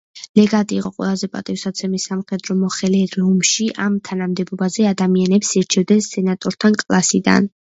ლეგატი იყო ყველაზე პატივსაცემი სამხედრო მოხელე რომში, ამ თანამდებობაზე ადამიანებს ირჩევდნენ სენატორთა კლასიდან.